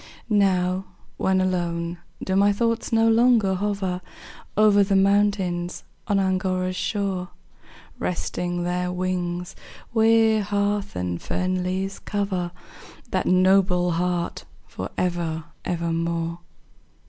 Now, when alone, do my thoughts no longer hover Over the mountains on Angora's shore, Resting their wings, where heath and fern leaves cover That noble heart for ever, ever more?